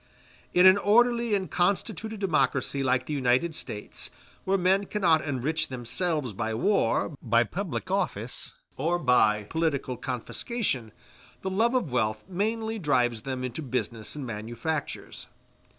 In an orderly and constituted democracy like the United States, where men cannot enrich themselves by war, by public office, or by political confiscation, the love of wealth mainly drives them into business and manufactures.